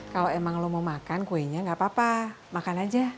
kalau emang lo mau makan kuenya gak apa apa makan aja